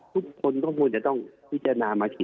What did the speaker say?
ทุกคนก็ควรจะต้องพิจารณามาคิด